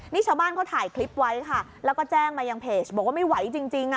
นี่ชาวบ้านเขาถ่ายคลิปไว้ค่ะแล้วก็แจ้งมายังเพจบอกว่าไม่ไหวจริงจริงอ่ะ